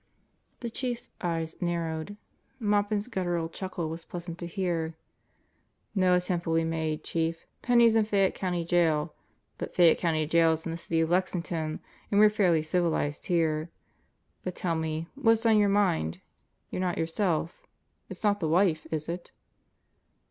The Chief's eyes narrowed. Maupin's guttural chuckle was pleasant to hear. "No attempt will be made, Chief. Penney's in Fayette County Jail; but Fayette County Jail is in the city of Lexington; and we're fairly civilized here. But tell me, what's on your mind? You're not yourself. It's not the wife, is it?"